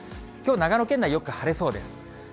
きょう、長野県内、よく晴れそうです。